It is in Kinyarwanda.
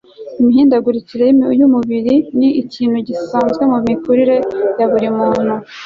imihindagurikire y'umubiri ni ikintu gisanzwe mu mikurire ya buri muntu